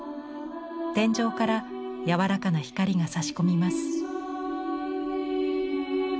天井から柔らかな光がさし込みます。